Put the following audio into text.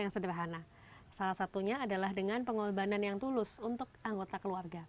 sebagai seorang adik